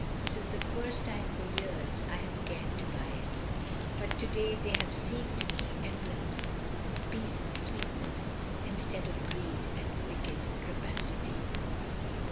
"This is the first time for years I have cared to buy any; but to day they have seemed to me emblems of peace and sweetness, instead of greed and wicked rapacity."